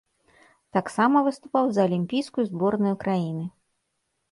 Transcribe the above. Таксама выступаў за алімпійскую зборную краіны.